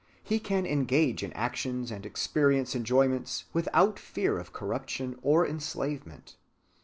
He can engage in actions and experience enjoyments without fear of corruption or enslavement.